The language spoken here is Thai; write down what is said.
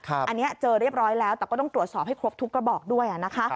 อันนี้เจอเรียบร้อยแล้วแต่ก็ต้องตรวจสอบให้ครบทุกกระบอกด้วยนะคะ